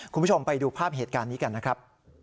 คุณผู้ชมไปดูภาพเหตุการณ์นี้กันนะครับ